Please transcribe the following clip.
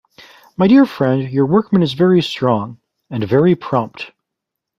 My dear friend, your workman is very strong — and very prompt.